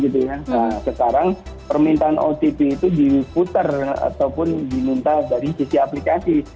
nah sekarang permintaan otp itu diputer ataupun diminta dari sisi aplikasi